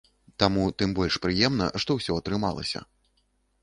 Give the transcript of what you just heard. Таму тым больш прыемна, што ўсё атрымалася.